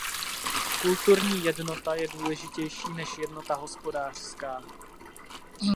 Kulturní jednota je důležitější než jednota hospodářská.